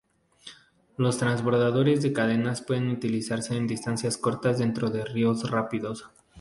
Los transbordadores de cadenas pueden utilizarse en distancias cortas dentro de ríos rápidos.